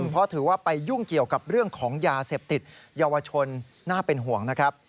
เพราะถือว่าไปยุ่งเกี่ยวกับเรื่องของยาเสพติดเยาวชนน่าเป็นห่วงนะครับ